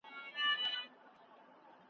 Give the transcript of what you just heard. څنګه سفارت پر نورو هیوادونو اغیز کوي؟